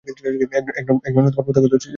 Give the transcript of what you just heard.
একজন প্রত্যক্ষদর্শী আছে, স্যার।